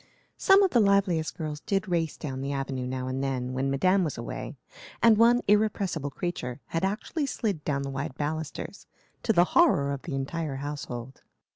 Some of the liveliest girls did race down the avenue now and then, when Madame was away, and one irrepressible creature had actually slid down the wide balusters, to the horror of the entire household.